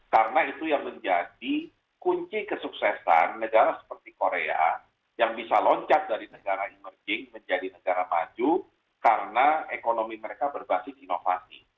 karena itu yang menjadi kunci kesuksesan negara seperti korea yang bisa loncat dari negara emerging menjadi negara maju karena ekonomi mereka berbasis inovasi